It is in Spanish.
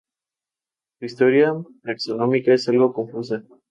Se alimenta de otros peces de menor tamaño, crustáceos y moluscos.